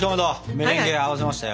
メレンゲも合わせましたよ。